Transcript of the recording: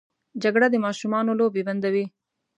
جګړه د ماشومانو لوبې بندوي